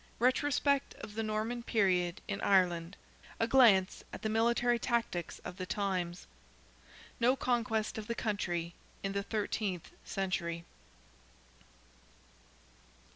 RETROSPECT OF THE NORMAN PERIOD IN IRELAND—A GLANCE AT THE MILITARY TACTICS OF THE TIMES—NO CONQUEST OF THE COUNTRY IN THE THIRTEENTH CENTURY.